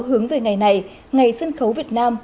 hướng về ngày này ngày sân khấu việt nam